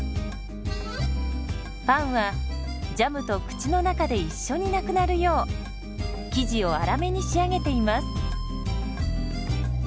パンはジャムと口の中で一緒になくなるよう生地を粗めに仕上げています。